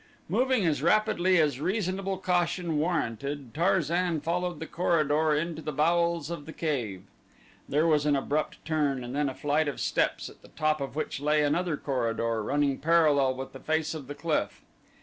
Moving as rapidly as reasonable caution warranted, Tarzan followed the corridor into the bowels of the cave. There was an abrupt turn and then a flight of steps at the top of which lay another corridor running parallel with the face of the cliff.